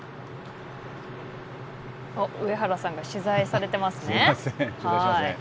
上原さんが取材されていますね。